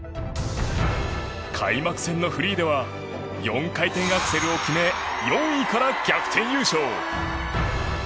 開幕戦のフリーでは４回転アクセルを決め４位から逆転優勝。